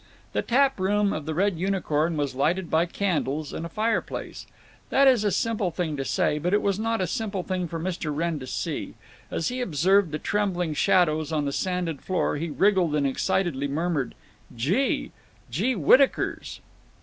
The tap room of the Red Unicorn was lighted by candles and a fireplace. That is a simple thing to say, but it was not a simple thing for Mr. Wrenn to see. As he observed the trembling shadows on the sanded floor he wriggled and excitedly murmured, "Gee!… Gee whittakers!"